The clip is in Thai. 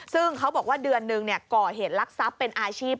ซึ่งเขาบอกว่าเดือนหนึ่งก่อเหตุลักษัพเป็นอาชีพ